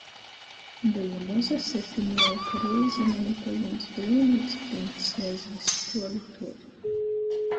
Beju moza, sepinieju, ka reizi mani pajems breineigs priņcs i aizvess tuoli tuoli...